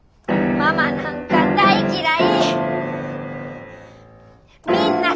ママなんか大嫌い！